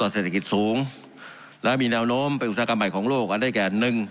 เศรษฐกิจสูงและมีแนวโน้มเป็นอุตสาหกรรมใหม่ของโลกอันได้แก่หนึ่ง